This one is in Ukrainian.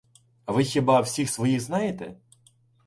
— А ви хіба всіх своїх знаєте?